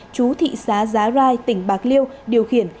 chú thị xã giá rai tỉnh bạc liêu điều khiển